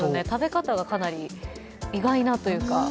食べ方はかなり、意外なというか。